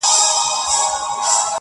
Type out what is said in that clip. يو نه دی چي و تاته په سرو سترگو ژاړي